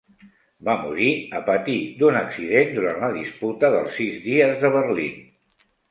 Va morir a patir d'un accident durant la disputa dels Sis dies de Berlín.